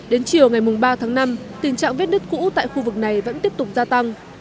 đến chiều ngày ba tháng năm tình trạng vết nứt cũ tại khu vực này vẫn tiếp tục gia tăng